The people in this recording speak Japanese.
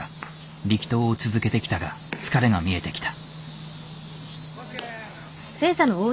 力投を続けてきたが疲れが見えてきた。